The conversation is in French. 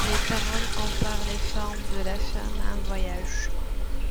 Les paroles comparent les formes de la femme à un voyage.